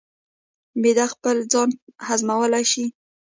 معده خپل ځان هضمولی شي.